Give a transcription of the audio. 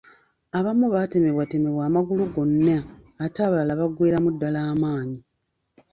Abamu batemebwatemebwa amagulu gonna ate abalala baggweeramu ddala amaanyi.